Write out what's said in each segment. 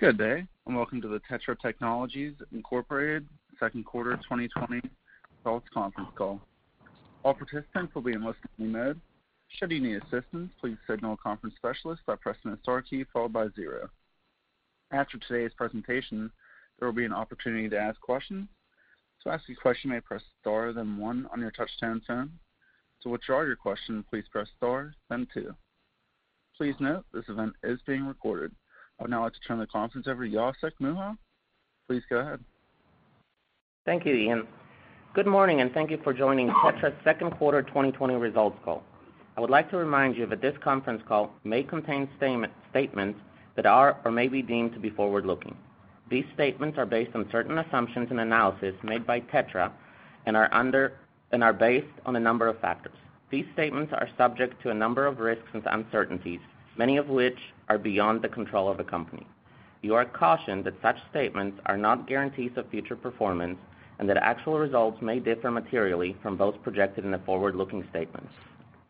Good day, and welcome to the TETRA Technologies, Inc. second quarter 2020 results conference call. All participants will be in listen-only mode. Should you need assistance, please signal a conference specialist by pressing the star key followed by zero. After today's presentation, there will be an opportunity to ask questions. To ask a question, you may press star then one on your touch-tone phone. To withdraw your question, please press star then two. Please note, this event is being recorded. I would now like to turn the conference over to Jacek Mucha. Please go ahead. Thank you, Ian. Good morning, and thank you for joining TETRA's second quarter 2020 results call. I would like to remind you that this conference call may contain statements that are or may be deemed to be forward-looking. These statements are based on certain assumptions and analysis made by TETRA and are based on a number of factors. These statements are subject to a number of risks and uncertainties, many of which are beyond the control of the company. You are cautioned that such statements are not guarantees of future performance and that actual results may differ materially from those projected in the forward-looking statements.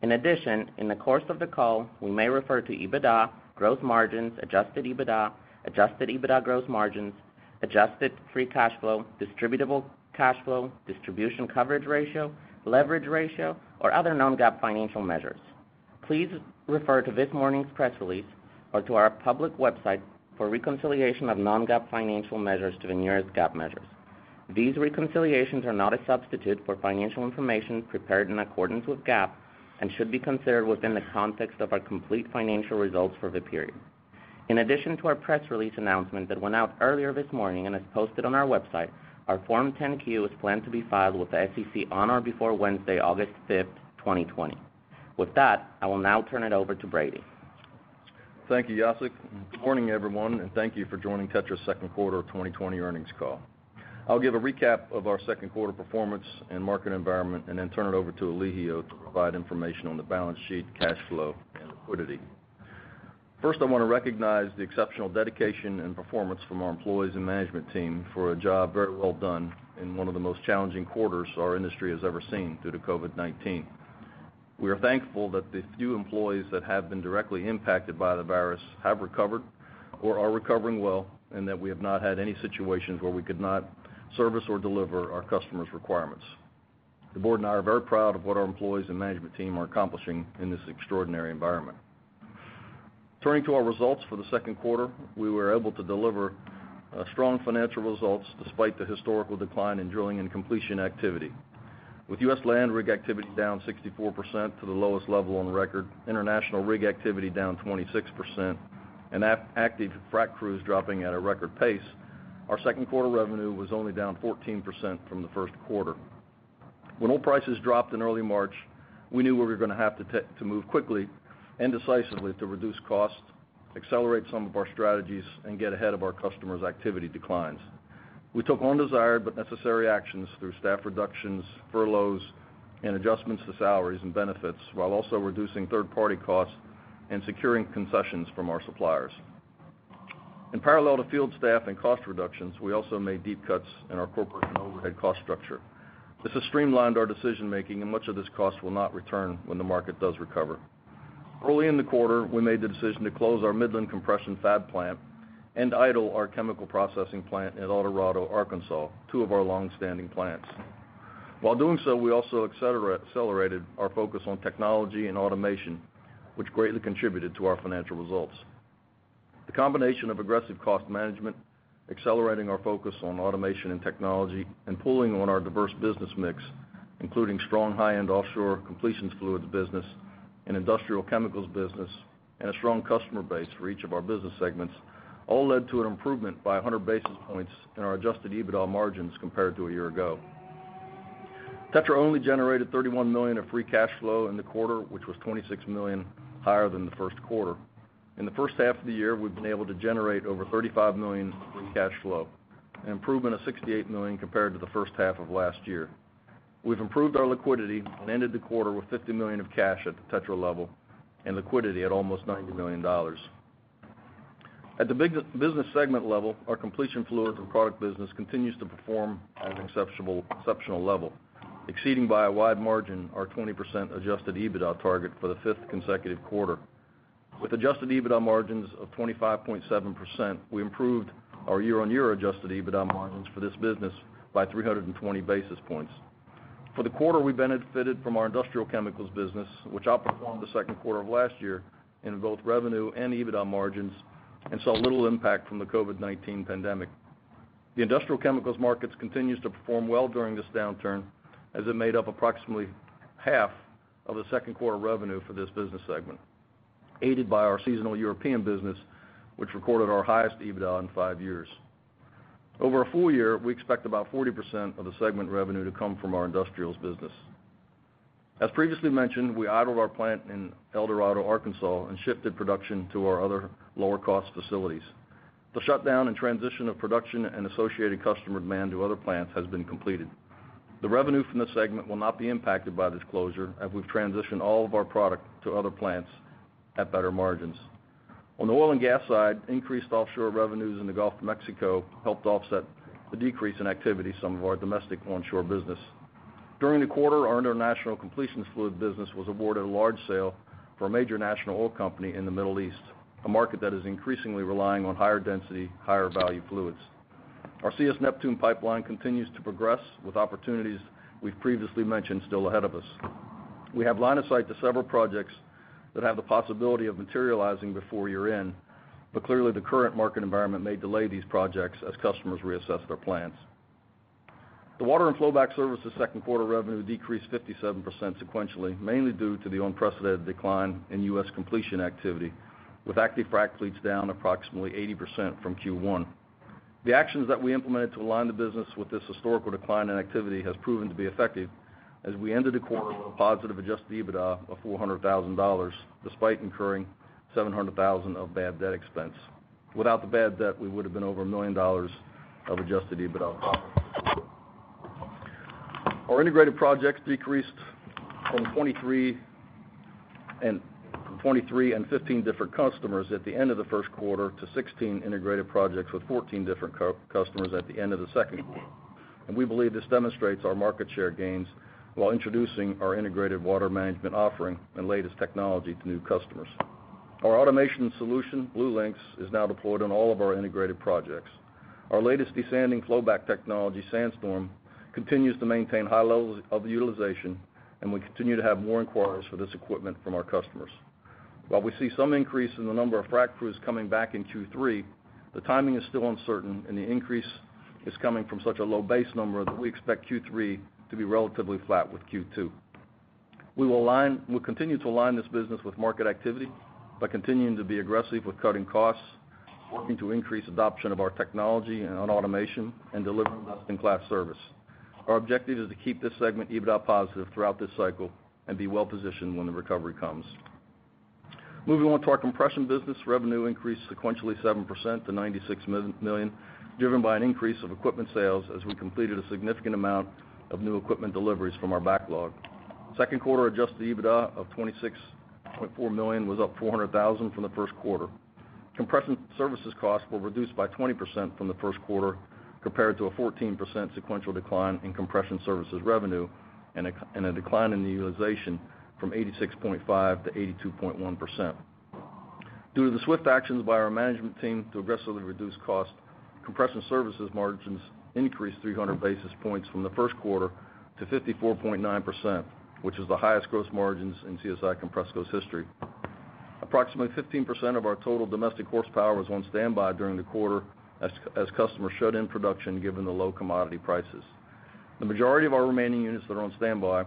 In addition, in the course of the call, we may refer to EBITDA, gross margins, adjusted EBITDA, adjusted EBITDA gross margins, adjusted free cash flow, distributable cash flow, distribution coverage ratio, leverage ratio, or other non-GAAP financial measures. Please refer to this morning's press release or to our public website for a reconciliation of non-GAAP financial measures to the nearest GAAP measures. These reconciliations are not a substitute for financial information prepared in accordance with GAAP and should be considered within the context of our complete financial results for the period. In addition to our press release announcement that went out earlier this morning and is posted on our website, our Form 10-Q is planned to be filed with the SEC on or before Wednesday, August 5th, 2020. With that, I will now turn it over to Brady. Thank you, Jacek. Good morning, everyone, and thank you for joining TETRA's second quarter 2020 earnings call. I'll give a recap of our second quarter performance and market environment and then turn it over to Elijio to provide information on the balance sheet, cash flow, and liquidity. First, I want to recognize the exceptional dedication and performance from our employees and management team for a job very well done in one of the most challenging quarters our industry has ever seen due to COVID-19. We are thankful that the few employees that have been directly impacted by the virus have recovered or are recovering well, and that we have not had any situations where we could not service or deliver our customers' requirements. The board and I are very proud of what our employees and management team are accomplishing in this extraordinary environment. Turning to our results for the second quarter, we were able to deliver strong financial results despite the historical decline in drilling and completion activity. With U.S. land rig activity down 64% to the lowest level on record, international rig activity down 26%, and active frac crews dropping at a record pace, our second quarter revenue was only down 14% from the first quarter. When oil prices dropped in early March, we knew we were going to have to move quickly and decisively to reduce costs, accelerate some of our strategies, and get ahead of our customers' activity declines. We took undesired but necessary actions through staff reductions, furloughs, and adjustments to salaries and benefits while also reducing third-party costs and securing concessions from our suppliers. In parallel to field staff and cost reductions, we also made deep cuts in our corporate and overhead cost structure. This has streamlined our decision-making, and much of this cost will not return when the market does recover. Early in the quarter, we made the decision to close our Midland compression fab plant and idle our chemical processing plant in El Dorado, Arkansas, two of our longstanding plants. While doing so, we also accelerated our focus on technology and automation, which greatly contributed to our financial results. The combination of aggressive cost management, accelerating our focus on automation and technology, and pulling on our diverse business mix, including strong high-end offshore completions fluids business and industrial chemicals business, and a strong customer base for each of our business segments, all led to an improvement by 100 basis points in our adjusted EBITDA margins compared to a year ago. TETRA only generated $31 million of free cash flow in the quarter, which was $26 million higher than the first quarter. In the H1 of the year, we've been able to generate over $35 million in free cash flow, an improvement of $68 million compared to the H1 of last year. We've improved our liquidity and ended the quarter with $50 million of cash at the TETRA level and liquidity at almost $90 million. At the business segment level, our completion fluids and product business continues to perform at an exceptional level, exceeding by a wide margin our 20% adjusted EBITDA target for the fifth consecutive quarter. With adjusted EBITDA margins of 25.7%, we improved our year-on-year adjusted EBITDA margins for this business by 320 basis points. For the quarter, we benefited from our industrial chemicals business, which outperformed the second quarter of last year in both revenue and EBITDA margins and saw little impact from the COVID-19 pandemic. The industrial chemicals markets continues to perform well during this downturn, as it made up approximately half of the second quarter revenue for this business segment, aided by our seasonal European business, which recorded our highest EBITDA in five years. Over a full year, we expect about 40% of the segment revenue to come from our industrials business. As previously mentioned, we idled our plant in El Dorado, Arkansas, and shifted production to our other lower-cost facilities. The shutdown and transition of production and associated customer demand to other plants has been completed. The revenue from this segment will not be impacted by this closure, as we've transitioned all of our product to other plants at better margins. On the oil and gas side, increased offshore revenues in the Gulf of Mexico helped offset the decrease in activity some of our domestic onshore business. During the quarter, our international completions fluid business was awarded a large sale for a major national oil company in the Middle East, a market that is increasingly relying on higher density, higher value fluids. Our CS Neptune pipeline continues to progress with opportunities we've previously mentioned still ahead of us. We have line of sight to several projects that have the possibility of materializing before year-end, but clearly, the current market environment may delay these projects as customers reassess their plans. The water and flowback services second quarter revenue decreased 57% sequentially, mainly due to the unprecedented decline in U.S. completion activity, with active frac fleets down approximately 80% from Q1. The actions that we implemented to align the business with this historical decline in activity has proven to be effective as we ended the quarter with a positive adjusted EBITDA of $400,000, despite incurring $700,000 of bad debt expense. Without the bad debt, we would've been over $1 million of adjusted EBITDA. Our integrated projects decreased from 23 and 15 different customers at the end of the first quarter to 16 integrated projects with 14 different customers at the end of the second quarter. We believe this demonstrates our market share gains while introducing our integrated water management offering and latest technology to new customers. Our automation solution, BlueLinx, is now deployed on all of our integrated projects. Our latest desanding flowback technology, SandStorm, continues to maintain high levels of utilization, and we continue to have more inquiries for this equipment from our customers. While we see some increase in the number of frac crews coming back in Q3, the timing is still uncertain, and the increase is coming from such a low base number that we expect Q3 to be relatively flat with Q2. We'll continue to align this business with market activity by continuing to be aggressive with cutting costs, working to increase adoption of our technology and on automation, and delivering best-in-class service. Our objective is to keep this segment EBITDA positive throughout this cycle and be well-positioned when the recovery comes. Moving on to our compression business. Revenue increased sequentially 7% to $96 million, driven by an increase of equipment sales as we completed a significant amount of new equipment deliveries from our backlog. Second quarter adjusted EBITDA of $26.4 million was up $400,000 from the first quarter. Compression services costs were reduced by 20% from the first quarter, compared to a 14% sequential decline in compression services revenue and a decline in the utilization from 86.5%-82.1%. Due to the swift actions by our management team to aggressively reduce cost, compression services margins increased 300 basis points from the first quarter to 54.9%, which is the highest gross margins in CSI Compressco's history. Approximately 15% of our total domestic horsepower was on standby during the quarter as customers shut in production given the low commodity prices. The majority of our remaining units that are on standby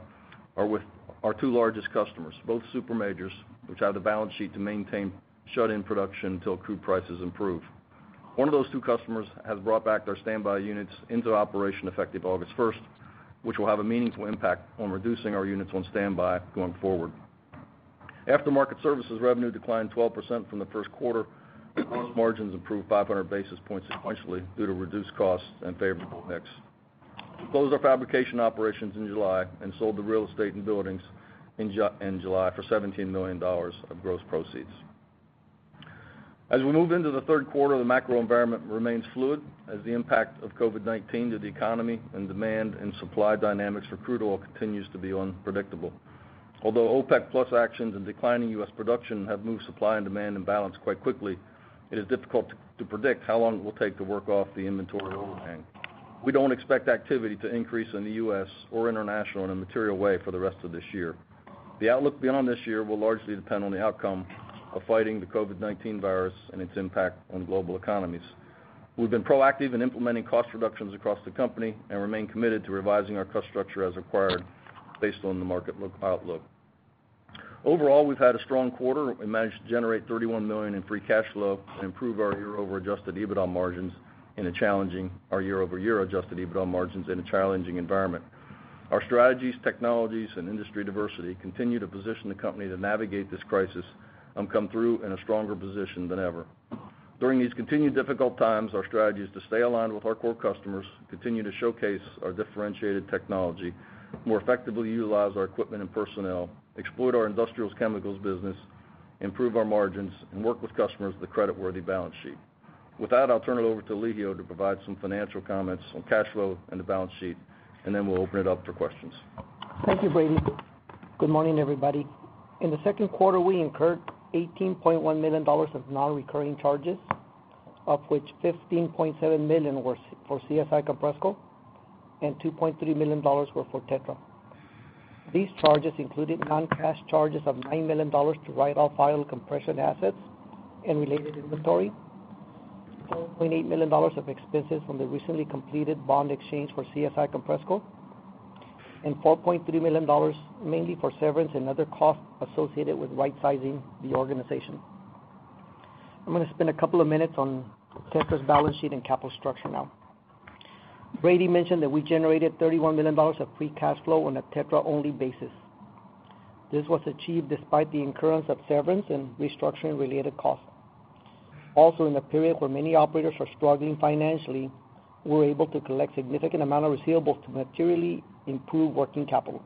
are with our two largest customers, both super majors, which have the balance sheet to maintain shut-in production till crude prices improve. One of those two customers has brought back their standby units into operation effective August 1st, which will have a meaningful impact on reducing our units on standby going forward. Aftermarket services revenue declined 12% from the first quarter. Gross margins improved 500 basis points sequentially due to reduced costs and favorable mix. We closed our fabrication operations in July and sold the real estate and buildings in July for $17 million of gross proceeds. As we move into the third quarter, the macro environment remains fluid as the impact of COVID-19 to the economy and demand and supply dynamics for crude oil continues to be unpredictable. Although OPEC+ actions and declining U.S. production have moved supply and demand in balance quite quickly, it is difficult to predict how long it will take to work off the inventory overhang. We don't expect activity to increase in the U.S. or international in a material way for the rest of this year. The outlook beyond this year will largely depend on the outcome of fighting the COVID-19 virus and its impact on global economies. We've been proactive in implementing cost reductions across the company and remain committed to revising our cost structure as required based on the market outlook. Overall, we've had a strong quarter. We managed to generate $31 million in free cash flow and improve our year-over-year adjusted EBITDA margins in a challenging environment. Our strategies, technologies, and industry diversity continue to position the company to navigate this crisis and come through in a stronger position than ever. During these continued difficult times, our strategy is to stay aligned with our core customers, continue to showcase our differentiated technology, more effectively utilize our equipment and personnel, exploit our industrials chemicals business, improve our margins, and work with customers with a creditworthy balance sheet. With that, I'll turn it over to Elijio to provide some financial comments on cash flow and the balance sheet, and then we'll open it up for questions. Thank you, Brady. Good morning, everybody. In the second quarter, we incurred $18.1 million of non-recurring charges, of which $15.7 million were for CSI Compressco and $2.3 million were for TETRA. These charges included non-cash charges of $9 million to write off idle compression assets and related inventory, $4.8 million of expenses from the recently completed bond exchange for CSI Compressco, and $4.3 million mainly for severance and other costs associated with rightsizing the organization. I'm going to spend a couple of minutes on TETRA's balance sheet and capital structure now. Brady mentioned that we generated $31 million of free cash flow on a TETRA-only basis. This was achieved despite the incurrence of severance and restructuring related costs. In a period where many operators are struggling financially, we were able to collect significant amount of receivables to materially improve working capital.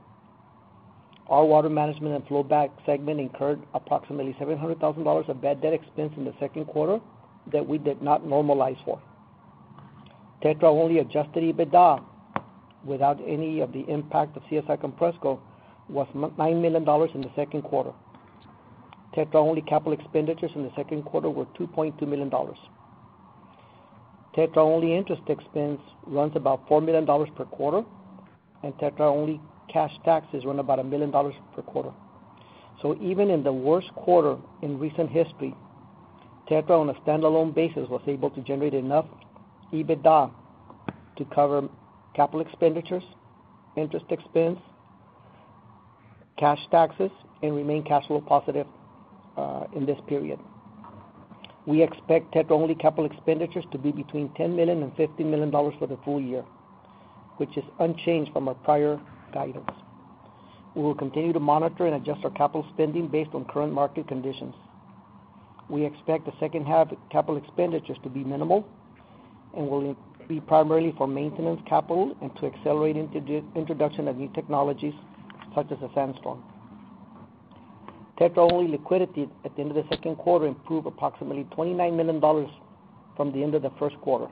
Our water management and flowback segment incurred approximately $700,000 of bad debt expense in the second quarter that we did not normalize for. TETRA only adjusted EBITDA without any of the impact of CSI Compressco was $9 million in the second quarter. TETRA only capital expenditures in the second quarter were $2.2 million. TETRA only interest expense runs about $4 million per quarter, and TETRA only cash taxes run about $1 million per quarter. Even in the worst quarter in recent history, TETRA on a standalone basis was able to generate enough EBITDA to cover capital expenditures, interest expense, cash taxes, and remain cash flow positive in this period. We expect TETRA only capital expenditures to be between $10 million and $15 million for the full year, which is unchanged from our prior guidance. We will continue to monitor and adjust our capital spending based on current market conditions. We expect the second half capital expenditures to be minimal and will be primarily for maintenance capital and to accelerate introduction of new technologies such as the SandStorm. TETRA only liquidity at the end of the second quarter improved approximately $29 million from the end of the first quarter,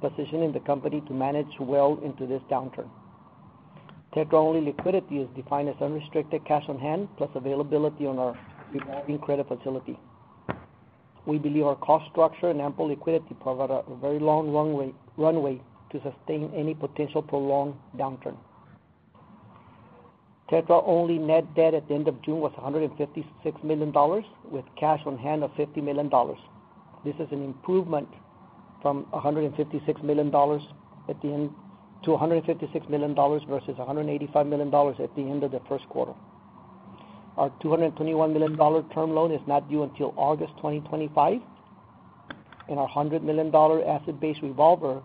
positioning the company to manage well into this downturn. TETRA only liquidity is defined as unrestricted cash on hand plus availability on our revolving credit facility. We believe our cost structure and ample liquidity provide a very long runway to sustain any potential prolonged downturn. TETRA only net debt at the end of June was $156 million with cash on hand of $50 million. This is an improvement from $156 million versus $185 million at the end of the first quarter. Our $221 million term loan is not due until August 2025, and our $100 million asset-based revolver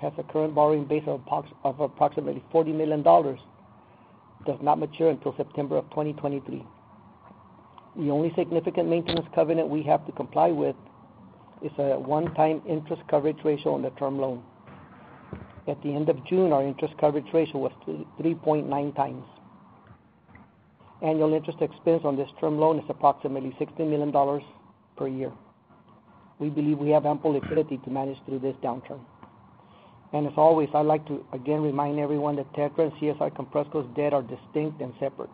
has a current borrowing base of approximately $40 million, does not mature until September of 2023. The only significant maintenance covenant we have to comply with is a one-time interest coverage ratio on the term loan. At the end of June, our interest coverage ratio was 3.9x. Annual interest expense on this term loan is approximately $16 million per year. We believe we have ample liquidity to manage through this downturn. As always, I'd like to again remind everyone that TETRA and CSI Compressco's debt are distinct and separate.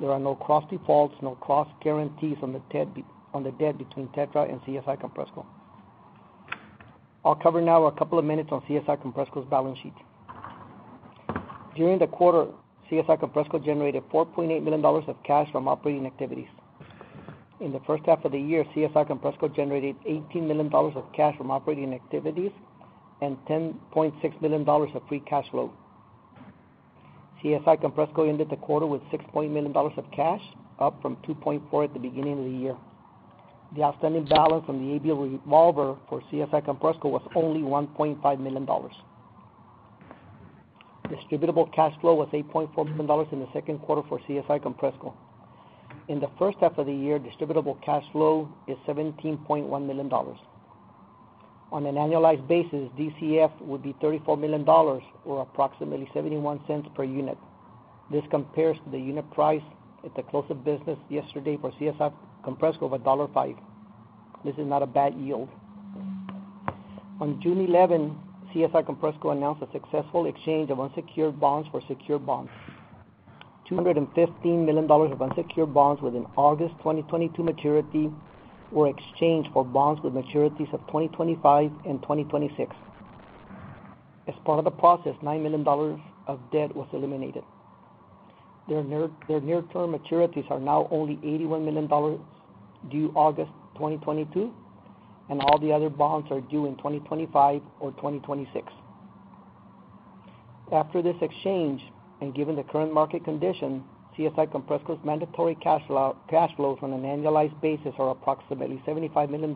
There are no cross defaults, no cross guarantees on the debt between TETRA and CSI Compressco. I'll cover now a couple of minutes on CSI Compressco's balance sheet. During the quarter, CSI Compressco generated $4.8 million of cash from operating activities. In the H1 of the year, CSI Compressco generated $18 million of cash from operating activities and $10.6 million of free cash flow. CSI Compressco ended the quarter with $6.9 million of cash, up from $2.4 million at the beginning of the year. The outstanding balance on the ABL revolver for CSI Compressco was only $1.5 million. Distributable cash flow was $8.4 million in the second quarter for CSI Compressco. In the H1 of the year, distributable cash flow is $17.1 million. On an annualized basis, DCF would be $34 million or approximately $0.71 per unit. This compares to the unit price at the close of business yesterday for CSI Compressco of $1.5. This is not a bad yield. On June 11, CSI Compressco announced a successful exchange of unsecured bonds for secure bonds. $215 million of unsecured bonds with an August 2022 maturity were exchanged for bonds with maturities of 2025 and 2026. As part of the process, $9 million of debt was eliminated. Their near-term maturities are now only $81 million due August 2022, and all the other bonds are due in 2025 or 2026. After this exchange, and given the current market condition, CSI Compressco's mandatory cash flows on an annualized basis are approximately $75 million,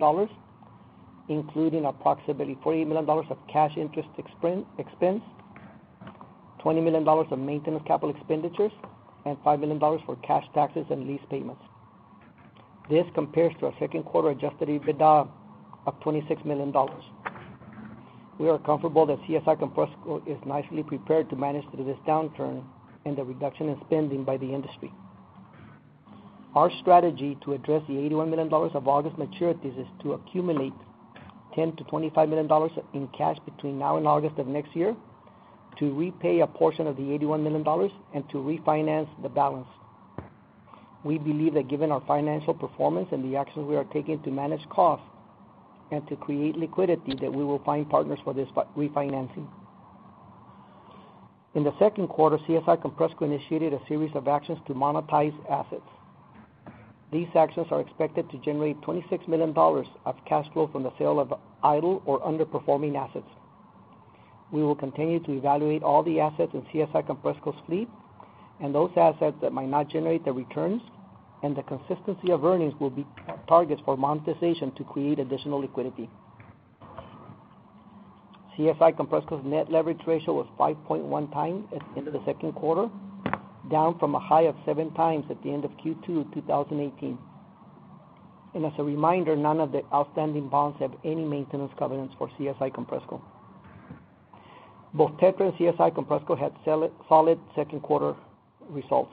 including approximately $40 million of cash interest expense, $20 million of maintenance capital expenditures, and $5 million for cash taxes and lease payments. This compares to a second quarter adjusted EBITDA of $26 million. We are comfortable that CSI Compressco is nicely prepared to manage through this downturn and the reduction in spending by the industry. Our strategy to address the $81 million of August maturities is to accumulate $10 million-$25 million in cash between now and August of next year to repay a portion of the $81 million and to refinance the balance. We believe that given our financial performance and the actions we are taking to manage costs and to create liquidity, that we will find partners for this refinancing. In the second quarter, CSI Compressco initiated a series of actions to monetize assets. These actions are expected to generate $26 million of cash flow from the sale of idle or underperforming assets. We will continue to evaluate all the assets in CSI Compressco's fleet and those assets that might not generate the returns and the consistency of earnings will be targets for monetization to create additional liquidity. CSI Compressco's net leverage ratio was 5.1x at the end of the second quarter, down from a high of 7x at the end of Q2 2018. As a reminder, none of the outstanding bonds have any maintenance covenants for CSI Compressco. Both TETRA and CSI Compressco had solid second quarter results.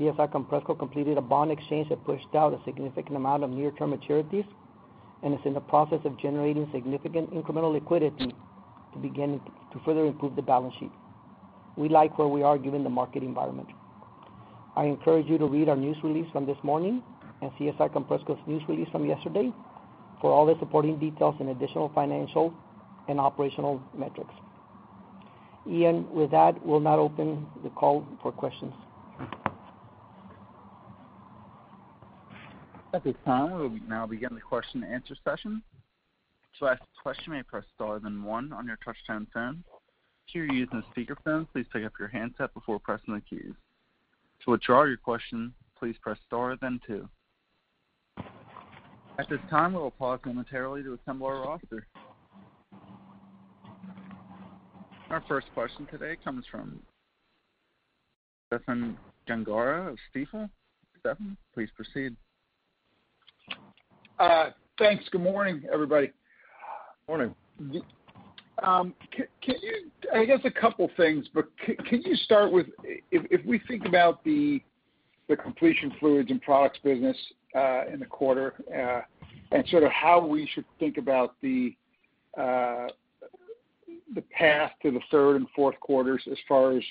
CSI Compressco completed a bond exchange that pushed out a significant amount of near-term maturities and is in the process of generating significant incremental liquidity to further improve the balance sheet. We like where we are given the market environment. I encourage you to read our news release from this morning and CSI Compressco's news release from yesterday for all the supporting details and additional financial and operational metrics. Ian, with that, we'll now open the call for questions. At this time, we'll now begin the question and answer session. To ask a question, press star, then one on your touchtone phone. If you're using speakerphone, please pick up your handset before pressing the keys. To withdraw your question, please press star, then two. At this time, we'll pause momentarily to assemble our roster. Our first question today comes from Stephen Gengaro of Stifel. Stephen, please proceed. Thanks. Good morning, everybody. Morning. I guess a couple things, but can you start with, if we think about the completion fluids and products business in the quarter and how we should think about the path to the third and fourth quarters as far as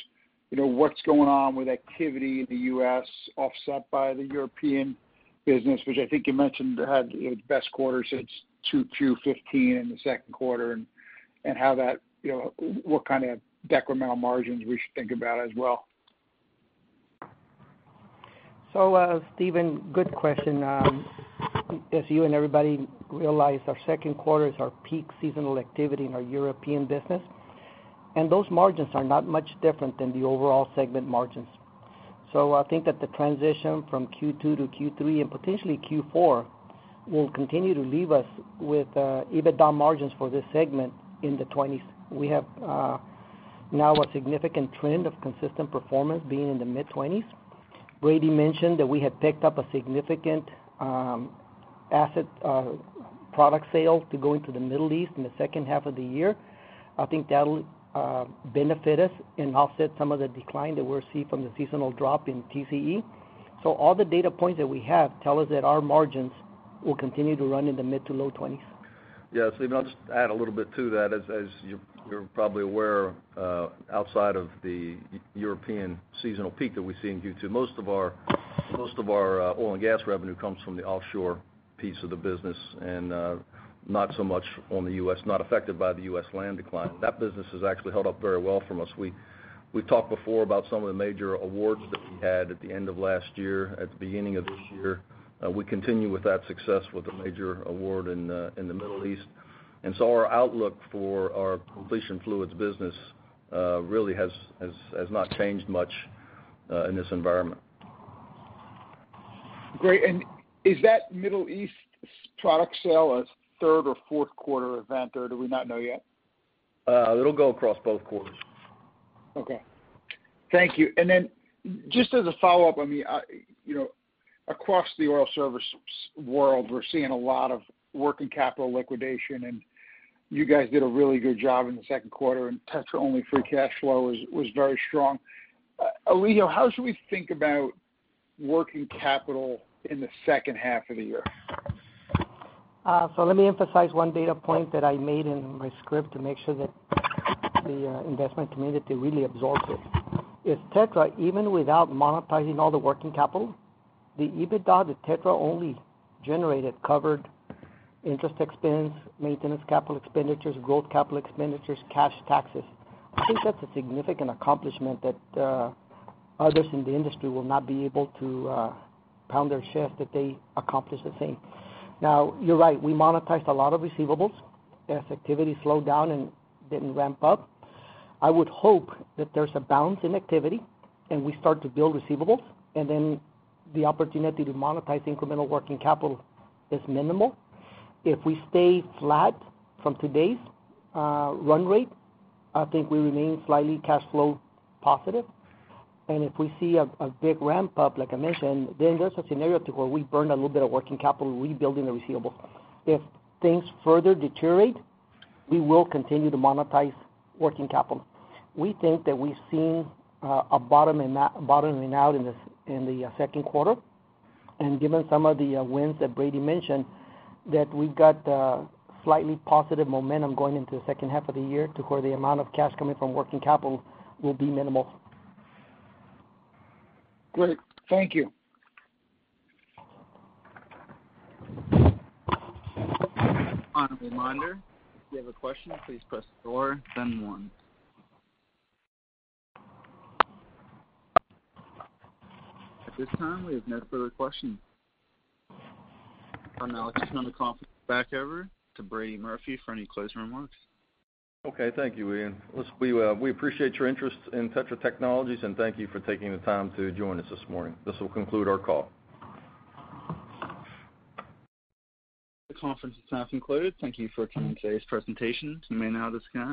what's going on with activity in the U.S. offset by the European business, which I think you mentioned had the best quarter since 2015 in the second quarter, and what kind of decremental margins we should think about as well? Stephen, good question. As you and everybody realize, our second quarter is our peak seasonal activity in our European business, and those margins are not much different than the overall segment margins. I think that the transition from Q2 to Q3 and potentially Q4 will continue to leave us with EBITDA margins for this segment in the 20s. We have now a significant trend of consistent performance being in the mid-20s. Brady mentioned that we had picked up a significant asset product sale to go into the Middle East in the second half of the year. I think that'll benefit us and offset some of the decline that we'll see from the seasonal drop in TCE. All the data points that we have tell us that our margins will continue to run in the mid to low 20s. Stephen, I'll just add a little bit to that. As you're probably aware, outside of the European seasonal peak that we see in Q2, most of our oil and gas revenue comes from the offshore piece of the business and not so much on the U.S., not affected by the U.S. land decline. That business has actually held up very well for us. We've talked before about some of the major awards that we had at the end of last year, at the beginning of this year. We continue with that success with a major award in the Middle East. Our outlook for our completion fluids business really has not changed much in this environment. Great. Is that Middle East product sale a third or fourth quarter event, or do we not know yet? It'll go across both quarters. Okay. Thank you. Just as a follow-up, across the oil services world, we're seeing a lot of working capital liquidation, and you guys did a really good job in the second quarter, and TETRA's free cash flow was very strong. Elijio, how should we think about working capital in the H2 of the year? Let me emphasize one data point that I made in my script to make sure that the investment community really absorbs it. If TETRA, even without monetizing all the working capital, the EBITDA that TETRA only generated covered interest expense, maintenance capital expenditures, growth capital expenditures, cash taxes. I think that's a significant accomplishment that others in the industry will not be able to pound their chest that they accomplished the same. You're right. We monetized a lot of receivables as activity slowed down and didn't ramp up. I would hope that there's a bounce in activity and we start to build receivables, and then the opportunity to monetize incremental working capital is minimal. If we stay flat from today's run rate, I think we remain slightly cash flow positive. If we see a big ramp up, like I mentioned, then there's a scenario to where we burn a little bit of working capital rebuilding the receivables. If things further deteriorate, we will continue to monetize working capital. We think that we've seen a bottoming out in the second quarter, and given some of the wins that Brady mentioned, that we've got slightly positive momentum going into the H2 of the year to where the amount of cash coming from working capital will be minimal. Great. Thank you. A reminder. If you have a question, please press star, then one. At this time, we have no further questions. I'll now turn the conference back over to Brady Murphy for any closing remarks. Okay. Thank you, Ian. Listen, we appreciate your interest in TETRA Technologies and thank you for taking the time to join us this morning. This will conclude our call. The conference is now concluded. Thank you for attending today's presentation. You may now disconnect.